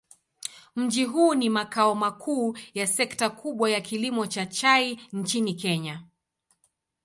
Mji huu ni makao makuu ya sekta kubwa ya kilimo cha chai nchini Kenya.